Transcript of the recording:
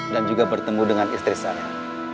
dan juga bertemu dengan istri saya